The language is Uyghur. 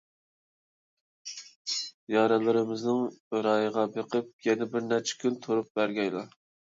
يارەنلىرىمىزنىڭ رايىغا بېقىپ، يەنە بىرنەچچە كۈن تۇرۇپ بەرگەيلا.